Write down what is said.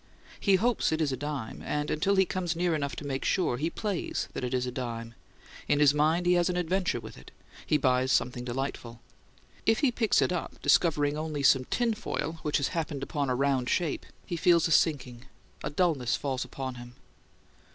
He hopes it is a dime, and, until he comes near enough to make sure, he plays that it is a dime. In his mind he has an adventure with it: he buys something delightful. If he picks it up, discovering only some tin foil which has happened upon a round shape, he feels a sinking. A dulness falls upon him.